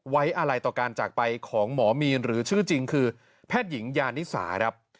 ไว้อะไรต่อการจากไปของหมอมีนหรือชื่อจริงคือแพทย์หญิงยานิสาครับ